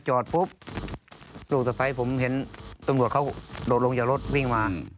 จอดปุ๊บลูกสะพ้ายผมเห็นตำรวจเขาโดดลงจากรถวิ่งมา